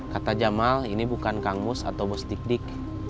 kata jamal ini bukan kang mus atau bos dik dik